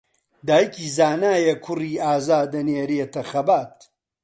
دایکی زانایە کوڕی ئازا دەنێرێتە خەبات